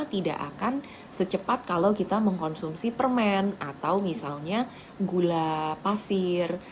tidak akan secepat kalau kita mengkonsumsi permen atau misalnya gula pasir